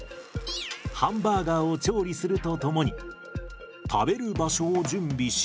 ハンバーガーを調理するとともに食べる場所を準備し。